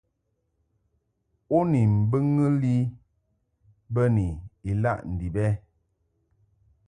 U ni mbɨŋɨ li bə ni ilaʼ ndib ɛ ?